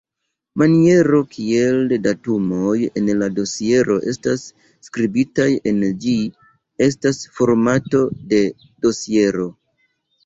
Maniero kiel datumoj en la dosiero estas skribitaj en ĝi estas formato de dosiero.